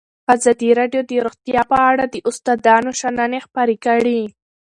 ازادي راډیو د روغتیا په اړه د استادانو شننې خپرې کړي.